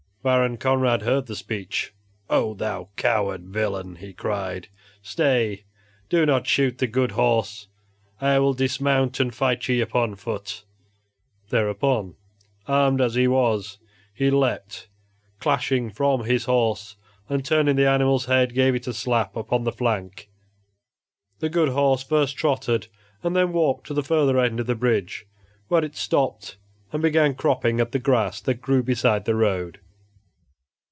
Baron Conrad heard the speech. "Oh! thou coward villain!" he cried, "stay; do not shoot the good horse. I will dismount and fight ye upon foot." Thereupon, armed as he was, he leaped clashing from his horse and turning the animal's head, gave it a slap upon the flank. The good horse first trotted and then walked to the further end of the bridge, where it stopped and began cropping at the grass that grew beside the road.